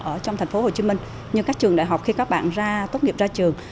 ở trong thành phố hồ chí minh như các trường đại học khi các bạn tốt nghiệp ra trường